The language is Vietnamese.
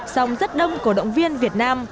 sông rất đông cổ động viên việt nam